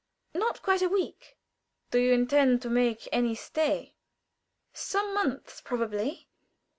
"Not quite a week." "Do you intend to make any stay?" "Some months, probably."